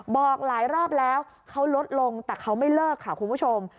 บอกหลายรอบแล้วเขาลดลงแต่เขาไม่เลิกค่ะคุณผู้ชม